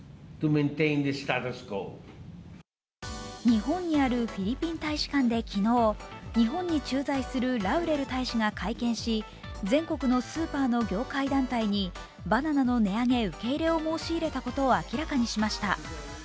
日本にあるフィリピン大使館で昨日、日本に駐在するラウレル大使が会見し、全国のスーパーの業界団体にバナナの値上げ受け入れを申し入れたことを明らかにしました。